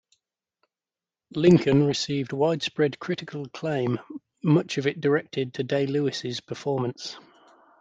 "Lincoln" received widespread critical acclaim, much of it directed to Day-Lewis's performance.